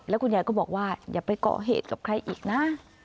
อย่าไปเกาะเหตุกับใครอีกนะ